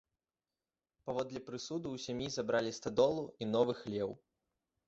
Паводле прысуду ў сям'і забралі стадолу і новы хлеў.